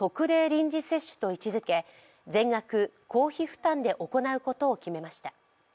臨時接種と位置づけ全額、公費負担で行うことを決めました。